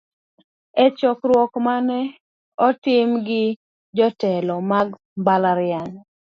E chokruok manene otim gi jotelo mag mbalariany.